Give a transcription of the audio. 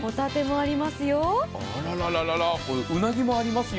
あららら、うなぎもありますよ。